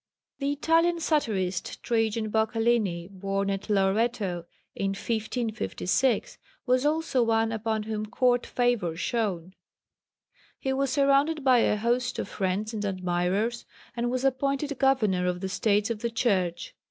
The Italian satirist Trajan Boccalini, born at Loretto in 1556, was also one upon whom Court favour shone. He was surrounded by a host of friends and admirers, and was appointed Governor of the States of the Church.